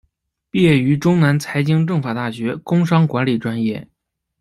毕业于中南财经政法大学工商管理专业。